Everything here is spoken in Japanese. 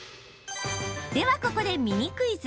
では、ここでミニクイズ。